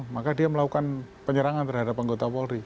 maka dia melakukan penyerangan terhadap anggota polri